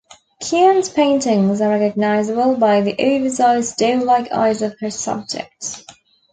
Keane's paintings are recognizable by the oversized, doe-like eyes of her subjects.